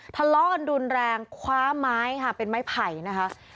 ทะเลาะกันรุนแรงคว้าไม้ค่ะเป็นไม้ไผ่นะคะ